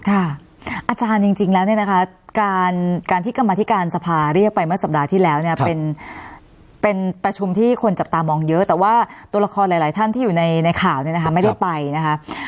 อาจารย์จริงแล้วเนี่ยนะคะการที่กรรมธิการสภาเรียกไปเมื่อสัปดาห์ที่แล้วเนี่ยเป็นประชุมที่คนจับตามองเยอะแต่ว่าตัวละครหลายท่านที่อยู่ในข่าวเนี่ยนะคะไม่ได้ไปนะคะ